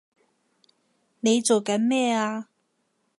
你做緊咩啊！